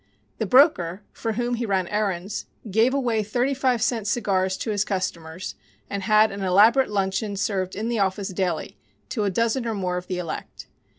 The broker, for whom he ran errands, gave away thirty five cent cigars to his customers and had an elaborate luncheon served in the office daily to a dozen or more of the elect.